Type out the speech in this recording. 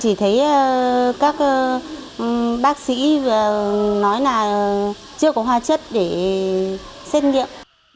chỉ thấy các bác sĩ nói là chưa có hoa chất để xét nghiệm